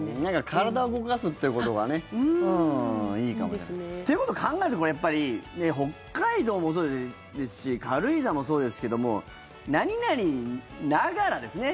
体を動かすってことがねいいかも。っていうこと考えるとやっぱり北海道もそうですし軽井沢もそうですけども何々ながら、ですね。